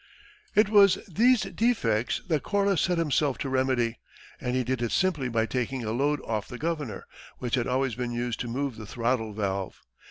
It was these defects that Corliss set himself to remedy, and he did it simply by taking a load off the governor, which had always been used to move the throttle valve.